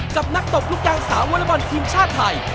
กับนักตบลูกยางสาววอเล็กบอลทีมชาติไทย